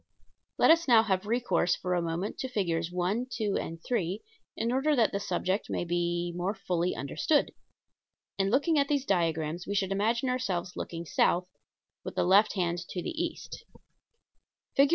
Let us now have recourse, for a moment, to Figs. 1, 2, and 3 in order that the subject may be more fully understood. In looking at these diagrams we should imagine ourselves looking South, with the left hand to the East. [Illustration: FIG.